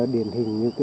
điển hình như